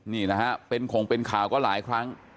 นี่นะฮะเป็นคงเป็นข่าวก็หลายครั้ง